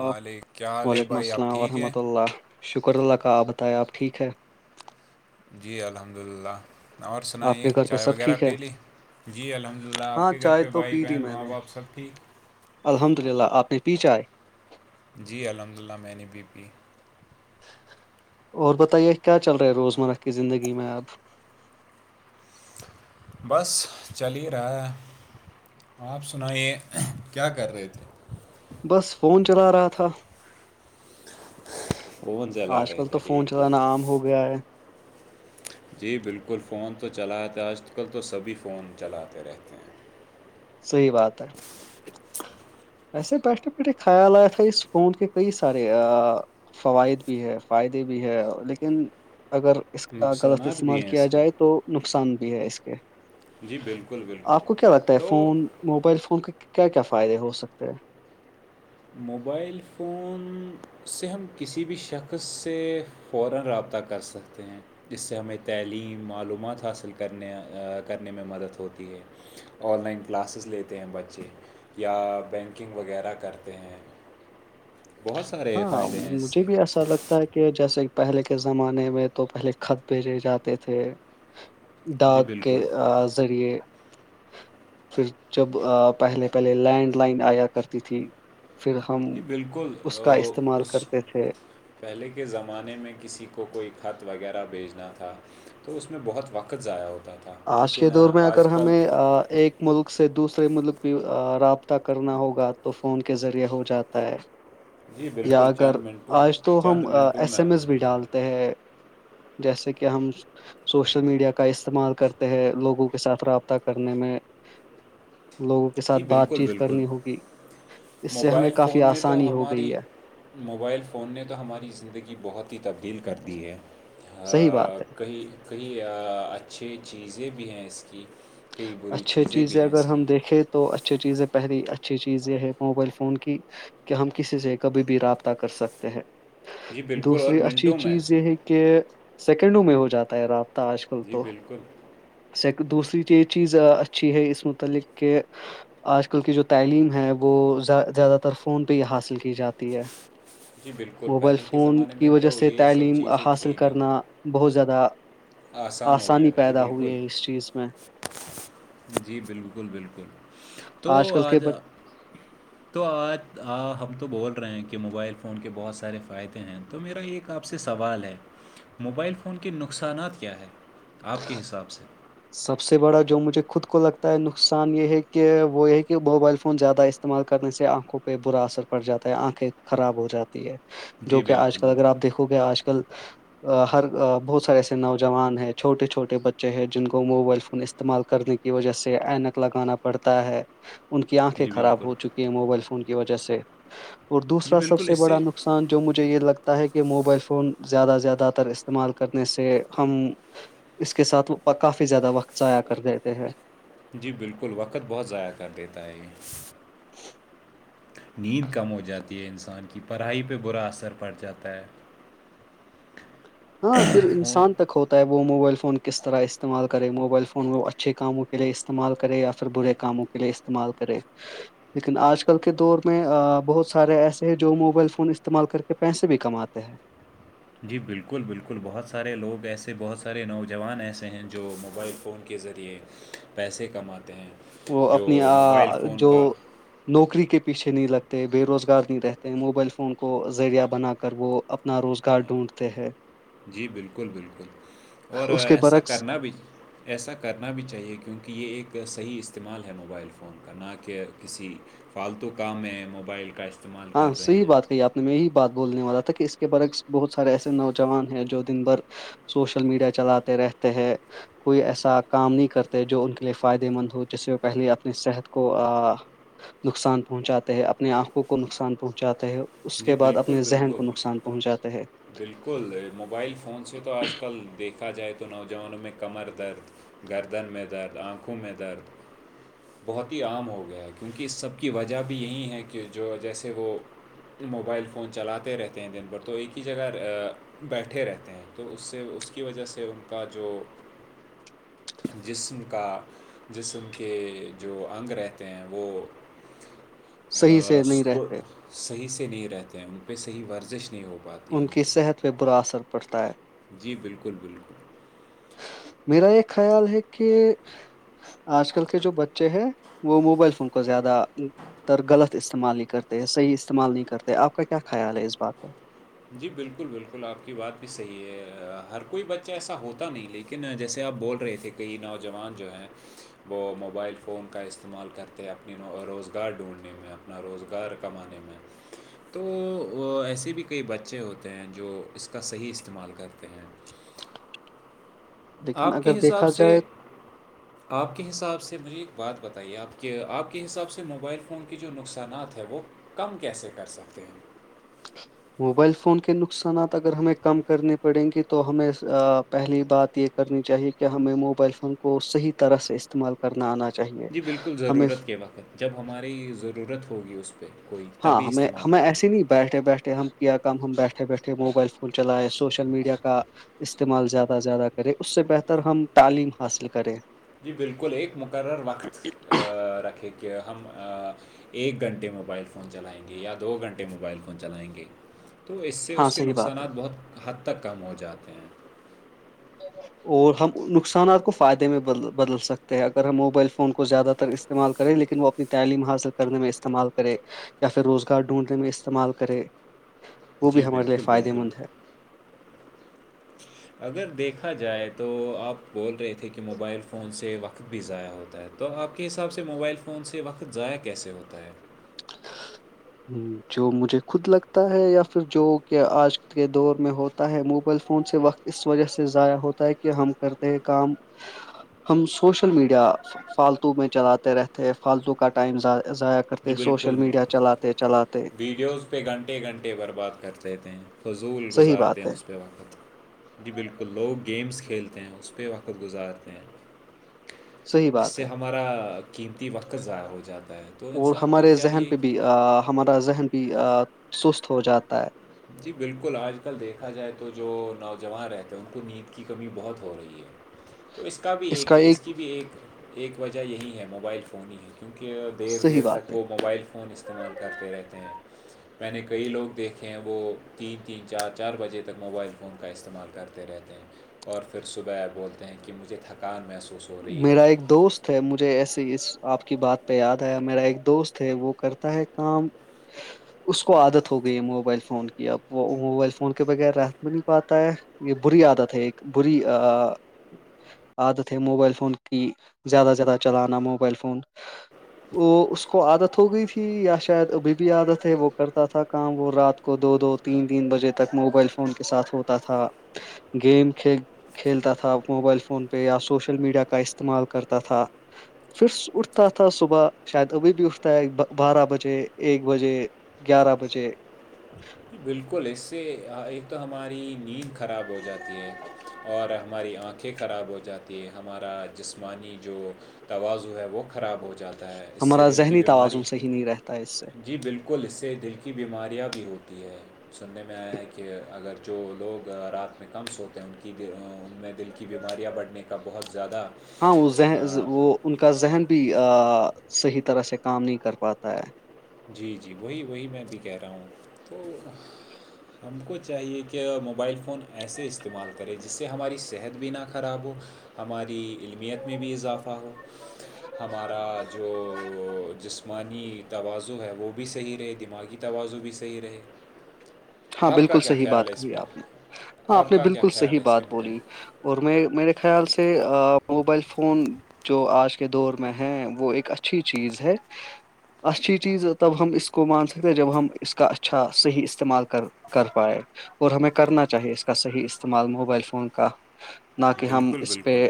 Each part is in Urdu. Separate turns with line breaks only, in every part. مالک کیا حال ہے
وعلیکم
بھائی آپ
السلام
ٹھیک ہیں
ورحمۃ اللہ شکر اللہ کا آپ بتائیں آپ ٹھیک ہے
جی الحمد للہ اور
آپ کے
سنائیے
گھر پہ
چائے
سب
وغیرہ
ٹھیک ہے
پی لی جی الحمد للہ آپ
ہاں
کے گھر
چائے
پہ
تو
بھائی
پی لی
بہن
میں
ماں
نے
باپ سب تھی
الحمد للہ آپ نے پیچھا آ ہے
جی الحمد للہ میں نے بی پی
اور بتائیے کیا چل رہا ہے روزمرہ کی زندگی میں آب
بس چلی رہا ہے آپ سنائیے کیا کر رہے تھے
بس فون چلا رہا تھا
فون چلا
آج
رہے
کل تو
تھے
فون
ٹھیک
چلانا
ٹھیک
عام ہو گیا ہے
جی بالکل فون تو چلاتے آج کل تو سبھی فون چلاتے رہتے ہیں
صحیح بات ہے ویسے بیٹھ پھ خیال آیا تھا اس فون کے کئی سارے فوائد بھی ہے فائدے بھی ہے لیکن اگر اس کا غلط
نقصانات بھی
استعمال
ہیں
کیا
اس کے
جائے تو نقصان بھی ہے اس کے
جی بالکل بالکل
آپ کو کیا لگتا ہے
تو
فون موبائل فون کے کیا کیا فائدے ہو سکتے ہیں
موبائل فون سے ہم کسی بھی شخص سے [unintelligible] ج سے ہمیں تعلیم معلومات حاصل کرنے کرنے میں مدد ہوتی ہے آن لائن کلاسز لیتے ہیں بچے یا بینکنگ وغیرہ کرتے ہیں بہت سارے
ہاں
فائدے ہیں اس
مجھے
سے
بھی ایسا لگتا کہ جیسے پہلے کے زمانے میں تو پہلے خط بھیجے جاتے تھے
جی
ڈاک کے
بالکل
ذریعے پھر جب پہلے پہلے لینڈ لائن آیا کرتی تھی پھر ہم
جی بالکل
اس کا استعمال
اس
کرتے تھے
پہلے کے زمانے میں کسی کو کوئی خط وغیرہ بھیجنا تھا تو اس میں بہت وقت ضائع ہوتا ہے
آج کے دور میں اگر ہمیں ایک ملک سے دوسرے ملک بھی رابطہ کرنا ہوگا تو فون کے ذریعے ہو جاتا ہے
جی
یا
بالکل
اگر
چند منٹوں
آج تو
چند
ہم
منٹوں میں
ایس ایم
ہو
ایس بھی
جاتا
ڈالتے ہے جیسے کہ ہم سوشل میڈیا کا استعمال کرتے لوگوں کے ساتھ رابطہ کرنے میں لوگوں کے
جی
ساتھ بات
بالکل
چیت
بالکل
کرنی ہوگی اس سے ہمیں
موبائل
کافی
فون نے تو
آسانی ہو
ہماری
گئی ہے
موبائل فون نے تو ہماری زندگی بہت ہی تبدیل کر دی ہے
صحیح بات ہے
کہئی کئی اچھی چیزیں بھی ہیں اس کی کئی بری
اچھے
بھی
چیزیں
ہیں اس
اگر
کی
ہم دیکھیں تو اچھی چیزیں پہری اچھی چیز یہ ہے موبائل فون کی کہ ہم کسی سے کبھی بھی رابطہ کر سکتے ہے
جی بالکل اور
دوسری اچھی
منٹوں میں
چیز یہ ہے کہ سیکنڈوں میں ہو جاتا ہے رات آج کل
جی
تو
بالکل
س دوسری چیز چیز اچھی ہے اس متعلق کہ آج کل کی جو تعلیم ہے وہ زیادہ تر فون پہ ہی حاصل کی جاتی ہے
جی بالکل
موبائل
پہلے کے
فون
زمانے
کی
میں
وجہ
تو
سے
یہ سب
تعلیم
چیزیں
حاصل
تھی نہیں
کرنا بہت زیادہ
آسان ہو گیا
آسانی
جی
پیدا ہوئی
بالکل
ہے اس چیز میں
جی بالکل بالکل تو
کل کے
آج
ب
[inaudible] تو آج ہم تو بول رہے ہیں کہ موبائل فون کے بہت سارے فائدے ہیں تو میرا ایک آپ سے سوال ہے موبائل فون کے نقصانات کیا ہے آپ کے حساب سے
سب سے بڑا جو مجھے خود کو لگتا ہے نقصان یہ ہے کہ وہ یہ ہے کہ موبائل فون زیادہ استعمال کرنے سے آنکھوں پہ برا اثر پڑ جاتا ہے آنکھیں خراب ہو جاتی ہے جو
جی
کہ آج
بالکل
کل اگر
بالکل
آپ دیکھو گے آج کل ہر بہت سارے ایسے نوجوان ہیں ہے چھٹے چھوٹے بچے ہیں جن کو موبائل فون استعمال کرنے کی وجہ سے اینک لگانا پڑتا ہے ان کی آنکھیں
جی
خراب
بالکل
ہو چکی ہیں موبائل فون کی وجہ سے اور
جی
دوسرا سب
بالکل
سے
اس
بڑا نقصان ان جو مجھے یہ لگتا ہے کہ موبائل فون زیادہ زیادہ تر استعمال کرنے سے ہم اس کے ساتھ کافی زیادہ وقت ضائع کر دیتے ہیں
جی بالکل وقت بہت ضائع کر دیتا ہے یہی
[inaudible]
نیند کم ہو جاتی ہے انسان کی پڑھائی پہ برا اثر پڑ جاتا ہے
ہاں پھر
فون
انسان تک ہوتا وہ موبائل فون کس طرح استعمال کرے موبائل فون وہ اچھے کاموں کے لیے استعمال کرے یا پھر برے کاموں کے کے لیے استعمال کریں لیکن آج کل کے دور میں بہت سارے ایسے ہیں جو موبائل فون استعمال کر کے پیسے بھی کماتے ہیں
جی بالکل بالکل بہت سارے لوگ ایسے بہت سارے نوجوان ایسے ہیں جو موبائل فون کے ذریعے پیسے کماتے ہیں
وہ
جو
اپنی
موبائل فون
جو
کا
نوکری کے پیچھے نہیں لگتے بے روزگار نہیں رہتے موبائل فون کو ذریعہ بنا کر وہ اپنا روزگار ڈھونڈتے ہیں
جی بالکل بالکل اور
اس کے
ایسا
برعکس
کرنا بھی ایسا کرنا بھی چاہیے کیونکہ یہ ایک صحیح استعمال ہے موبائل فون کا نہ کہ کسی فالتو کام ہے موبائل کا اس
ہاں صحی بات کہی آپ میں یہی بات بولنے والا تھا کہ اس کے برعس بہت سارے ایسے نوجوان ہیں جو دن بھر سوشل میڈیا چلاتے رہتے ہیں کوئی ایسا کام نہیں کرتے جو ان کے لیے فائدے مند ہو جس سے وہ پہلے اپنی صحت کو نقصان پہنچاتے ہیں اپنی آنکھوں کو کو نقصان پہنچاتے ہے اس
جی
کے بعد
بالکل
اپنے ذہن
بالکل
کو نقصان پہنچاتے ہے
بالکل موبائل فون سے تو آج کل دیکھا جائے تو نوجوانوں میں کمر درد گردن میں درد آنکھوں میں درد بہت ہی عام ہو گیا ہے کیونکہ اس سب کی وجہ بھی یہی ہے کہ جو جیسے وہ موبائل فون چلاتے رہتے ہیں دن بھر تو ایک ہی جگہ بیٹھے رہتے ہیں تو اس سے اس کی وجہ سے ان کا جو جسم کا جسم کے جو انگ رہتے ہیں وہ
صحیح سے نہیں
سکو-
رہتے
صحیح سے نہیں رہتے ہیں ان پہ صحیح ورزش نہیں ہو پاتی
ان کی صحت پہ برا اثر پڑتا ہے
جی بالکل بالکل
میرا یہ خیال ہے کہ آج کل کے جو بچے ہیں وہ موبائل فون کو زیادہ تر غلط استعمال نہیں کرتے صح استعمال نہیں کرتے آپ کا کیا خیال ہے اس بات پر
جی بالکل بالکل آپ کی بات بھی صحیح ہے ہر کوئی بچہ ایسا ہوتا نہیں لیکن لیکن جیسے آپ بول رہے تھے کہئی نوجوان جو ہیں وہ موبائل فون کا استعمال کرتے ہیں اپنی روزگار ڈھونڈنے میں اپنا روزگار کمانے میں
[unintelligible]
تو ایسے بھی کئی بچے ہوتے ہیں جو اس کا صحیح استعمال کرتے ہیں
لیکن
آپ
اگر
کے حساب
دیکھا
سے
جائے
آپ کے حساب سے مجھے ایک بات بتائیے آپ کہ آپ کے حساب سے موبائل فون کی جو نقصانات ہے وہ کم کیسے کر سکتے ہیں
موبائل فون کے نقصانات اگر ہمیں کم کرنے پڑیں گی تو ہمیں پہلی بات یہ کرنی چاہیے کہ ہمیں موبائل فون کو صحیح طرح سے استعمال کرنا آنا چاہیے
جی بالکل
ہمیں
ضرورت کے وقت جب ہماری ضرورت ہوگی اس پہ کوئی
ہاں
تبھی
ہمیں
استعمال
ہمیں
کریں
ایسیے ہیں بیٹھے بیٹھے ہم کیا کم ہم بیٹھے بیٹھے موبائل فون چلائے سوشل میڈیا کا استعمال زیادہ سے زیادہ کریں اس سے بہتر ہم تعلیم حاصل کریں
جی بالکل ایک مقرر وقت رکھے کہ ہم ایک گھنٹے موبائل فون چلائیں گے یا دو گھنٹے موبائل فون چلائیں گے تو اس سے
ہاں
اس کے
صحیح بات ہے
نقصانات بہت حد تک کم ہو جاتے ہیں
اور ہم نقصانات کو فائدے میں بدل سکتے ہیں اگر ہم موبائل فون کو زیادہ تر اس استعمال کریں لیکن وہ اپنی تعلیم حاصل کرنے میں استعمال کرے کیسے روزگار ڈھونڈیں گے استعمال کرے وہ
جی
بھی ہمارے
بالکل بالکل اگر دیکھا جائے تو آپ بول رہے تھے کہ موبائل فون سے وقت بھی ضائع ہوتا ہے تو آپ کے حساب سے موبائل فون سے وقت ضائع کیسے ہوتا ہے
ہ [unintelligible] ہ جو مجھے خود لگتا ہے یا پھر جو کہ آج کے دور میں ہو ہے موبائل فون سے وقت اس وجہ سے ضائع ہوتا ہے کہ ہم کرتے ہیں کام ہم سوشل میڈیا فالتو میں چلاتے رہتے فالتو کا ٹائم ضائع
جی
کرتے سوشل
بالکل
میڈیا چلاتے چلاتے
ویڈیوز پہ گھنٹے گھنٹے برباد کرتےتے ہیں فضول
صحیح
گزارتے
بات
ہیں
ہے
اس پ اس پہ وقت جی بالکل لوگ گیمس کھیلتے ہیں اس پہ وقت گزارتے ہیں
صحیح
جس
بات
سے
ہے
ہمارا قیمتی وقت ضائع ہو جاتا ہے تو
اور
انسان کو
ہمارے ذہن
چاہیے
پہ بھی ہمارا ذہن بھی سست ہو جاتا ہے
جی بالکل آج کل دیکھا جائے تو جو نوجوان رہتے ہیں ان کو نیند کی کمی بہت ہو رہی ہے
[inaudible]
تو اس کا بھی ایک اس کی بھی ایک ایک وجہ یہی ہے موبائل فون ہی کیونکہ دیر
صحیح
دیر تک
بات
ب
ہے
وہ موبائل فون استعمال کر رہتے ہیں میں نے کئی لوگ دیکھے ہیں وہ تین تین چار چار بجے تک موبائل فون کا استعمال کرتے رہتے ہیں اور پھر صبح بولتے ہیں کہ مجھے تھکان محسوس ہو رہی ہے
میرا ایک دوست ہے مجھے ایسیے اس آپ کی بات پہ یاد ہےیا میرا ایک دوست ہے وہ کرتا ہے کام اس کو عادت ہو گئی ہے موبائل فون کی اب وہ موبائل فون کے بغیر رت ب نہیں پاتا ہے یہ بری عادت ہے ایک بری عادت موبائل فون کی زیادہ زیادہ چلانا موبائل فون وہ اس کو عادت ہو گئی تھی یا شاید ابھی بھی عادت ہے وہ کرتا تھا کام وہ رات کو دو دو تین تین بجے تک موبائل فون کے ساتھ ہوتا تھا گیم کل کھیلتا تھا موبائل فون پہ یا سوس سوشل میڈیا کا استعمال کرتا تھا پھر اٹھتا تھا صبح شاید ابھی بھی اٹھتا ہے بارہ بجے ایک بجے گیارہ بجے
بالکل اس سے ایک تو ہماری نیند خراب ہو جاتی ہے اور ہماری آنکھیں خراب ہو جاتی ہیں ہمارا جسمانی جو توازع ہے وہ خراب ہو ج جتا ہے اس سے
ہمارا
دل کی
ذہنی
بیماری
توازن صحیح نہیں رہتا ہے اس سے
جی بالکل بالکل اس سے دل کی بیماریاں بھی ہوتی ہے سننے میں آیا ہے کہ اگر جو لوگ رات میں کم سوتے ہیں ان کی ان میں دل کی بیماریاں بڑھنے کا بہت زیادہ
ہاں وہ ذہن وہ ان کا ذہن بھی صحیح طرح سے کام نہیں کر پاتا ہے
جی جی وہی وہی میں بھی کہہ رہا ہوں تو ہم کو چاہیے کہ موبائل فون ایسے استعمال کرے جس سے ہماری صحت بھی نہ خراب ہو ہماری علمیت میں بھی اضافہ ہو ہمارا جو جسمانی تواز جو ہے وہ بھی صحیح رہے دماغی توازن بھی صحیح رہے
ہاں
آپ کا
بالکل
کیا
صحیح
خیال
بات
ہے اس
کہی
میں
آپ نے ہاں آپ نے
کا کیا
بالکل
خیال
صحیح
ہے اس
بات
کے
بولی
متعلق
اور میں میرے خیال سے موبائل فون جو آج کے دور میں ہے وہ ایک اچھی چیز ہے اچھی چیز تب ہم اس کو مان سکتے جب ہم اس کا اچھا صحیح استعمال کر پائے اور ہمیں کرنا چاہیے اس کا صحیح استعمال موبائل فون کا نہ کہ ہم
بالکل
اس پہ
بالکل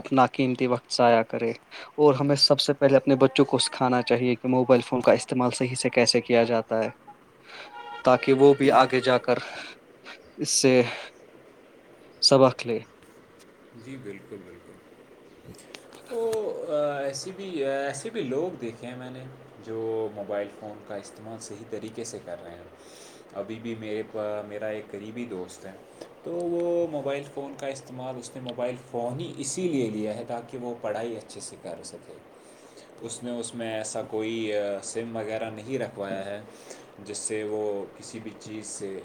اپنا قیمتی وقت ضائع کریں اور ہمیں سب سے پہلے اپنے بچوں کو سکھانا چاہیے کہ موبائل فون کا استعمال صحیح سے کیسے کیا جاتا ہے ت کہ وہول [unintelligible] آگے جا کر اس سے سبق لے
جی بالکل بالکل تو [inaudible] ایس بھی ایسے بھی لوگ دیکھے ہیں میں نے جو موبائل فون کا استعمال صحیح طریقے سے کر رہے ہیں ابھی بھی میرے میرا ایک قریبی دوست ہے تو وہ موبائل فون کا استعمال اس نے موبائل فون ہی اسی لیے لیا ہے تاکہ کہ وہ پڑھائی اچھے سے کر سکے اس نے اس میں ایسا کوئی سم وغیرہ نہیں رکھوایا ہے جس سے وہ کسی بھی چیز سے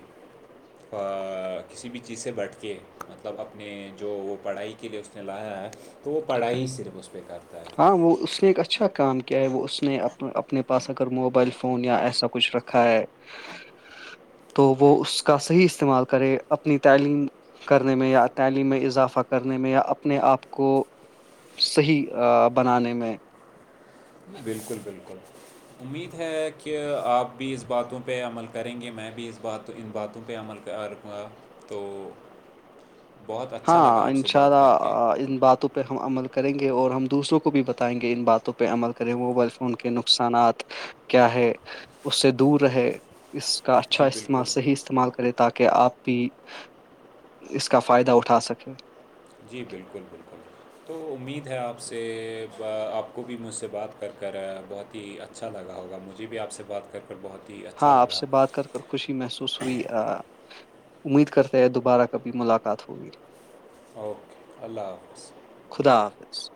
کسی بھی چیز سے بٹ کے مطلب اپنے جو وہ پڑھائی کے لیے اس نے لایا ہے تو وہ پڑھائی ہی صرف اس پہ کرتا
ہاں
ہے
وہ اس نے ایک اچھا کام کیا ہے وہ اس نے اپنے پاس ا کر موبائل فون یا ایسا کچھ رکھا ہے تو وہ اس کا صحیح استعمال کرے اپنی تعلیم کرنے میں یا تعلیم میں اضافہ کرنے میں یا اپنے آپ کو صحیح بنانے میں
بالکل بالکل امید ہے کہ آپ بھی اس باتوں پہ عمل کریں گے میں بھی اس بات ان باتوں پہ عمل ہر کواں تو [inaudible] بہت اچھا لگا
ہاں
آپ
ان
سے
شاء
بات کر کے
اللہ ان باتوں پہ ہم عمل کریں گے اور ہم دوسروں کو بھی بتائیں گے ان باتوں پہ عمل کریں موبائل فون کے نقصانات کیا ہے اس سے دور رہے اس کا اچھا
جی
استعمال
بالکل
صحیح سے استعمال کرے تاکہ آپ بھی اس کا فائدہ اٹھا سکیں
جی بالکل بالکل تو امید ہے آپ سے آپ کو بھی مجھ سے بات کر کر بہت ہی اچھا اچھا لگ ہوگا مجھے بھی آپ بات کر پر بہت ہی [inaudible]
ہاں آپ سے بات کر کر خوشی محسوس ہوئی امید کرتے ہیں دوبارہ کبھی ملاقات ہوگی
اوکے اللہ حافظ
خدا حافظ